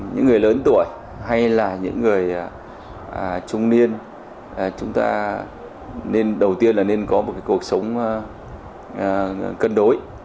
những người lớn tuổi hay là những người trung niên chúng ta nên đầu tiên là nên có một cuộc sống cân đối